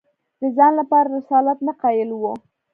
د ځان لپاره رسالت نه قایل وو